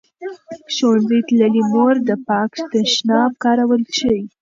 ښوونځې تللې مور د پاک تشناب کارول ښيي.